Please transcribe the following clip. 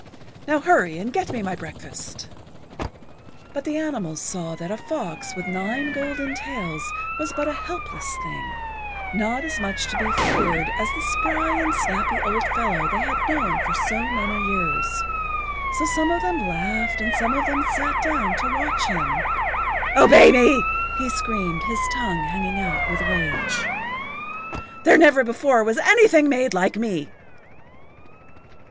Now hurry and get me my breakfast." [Pg 80]But the animals saw that a fox with nine golden tails was but a helpless thing, not as much to be feared as the spry and snappy old fellow they had known for so many years. So some of them laughed and some of them sat down to watch him. "Obey me!" he screamed, his tongue hanging out with rage. "There never before was anything made like me."